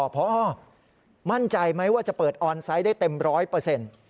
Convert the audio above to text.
พอมั่นใจไหมว่าจะเปิดออนไซต์ได้เต็มร้อยเปอร์เซ็นต์